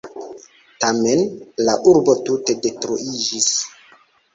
Tamen, la urbo tute detruiĝis.